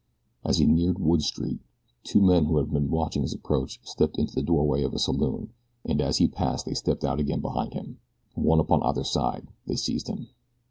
As he neared Wood Street two men who had been watching his approach stepped into the doorway of a saloon, and as he passed they stepped out again behind him. One upon either side they seized him.